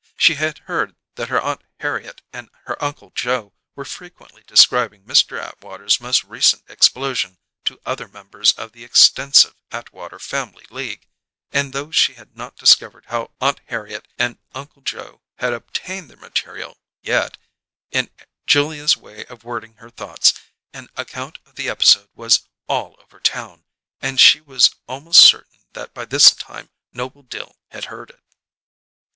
She had heard that her Aunt Harriet and her Uncle Joe were frequently describing Mr. Atwater's most recent explosion to other members of the extensive Atwater family league; and though she had not discovered how Aunt Harriet and Uncle Joe had obtained their material, yet, in Julia's way of wording her thoughts, an account of the episode was "all over town," and she was almost certain that by this time Noble Dill had heard it.